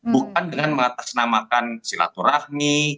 bukan dengan mengatasnamakan silat kurahmi